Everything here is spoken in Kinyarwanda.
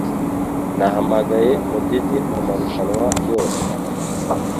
Nahamagaye mudidi mu marushanwa yose